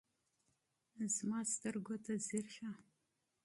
د ما سترګو ته ځیر شه